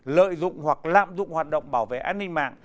lợi dụng hoặc lạm dụng hoạt động bảo vệ an ninh mạng